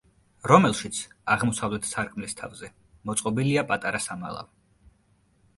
რომელშიც, აღმოსავლეთ სარკმლის თავზე, მოწყობილია პატარა სამალავი.